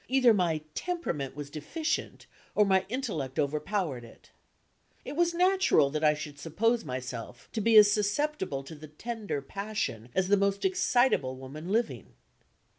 Either my temperament was deficient, or my intellect overpowered it. It was natural that I should suppose myself to be as susceptible to the tender passion as the most excitable woman living.